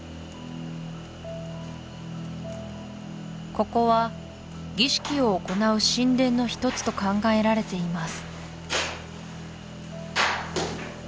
ここは儀式を行う神殿の一つと考えられています